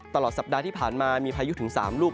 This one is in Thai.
ตลอดสัปดาห์ที่ผ่านมามีพายุถึง๓ลูก